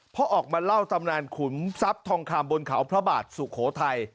เพราะออกมาเล่าตำนานขุนทรัพย์ทองคำบนเขาพระบาทสุโขทัย